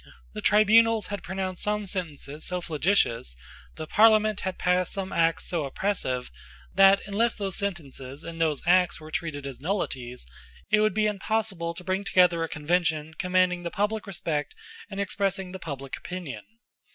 The tribunals had pronounced some sentences so flagitious, the Parliament had passed some acts so oppressive, that, unless those sentences and those Acts were treated as nullities, it would be impossible to bring together a Convention commanding the public respect and expressing the public opinion.